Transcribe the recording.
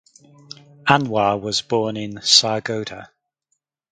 Anwar was born in Sargodha.